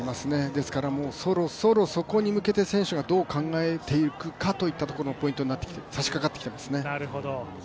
ですからもうそろそろそこに向けて選手がどう考えていくかというポイントにさしかかってきてますね。